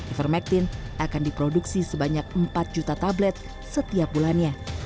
ivermectin akan diproduksi sebanyak empat juta tablet setiap bulannya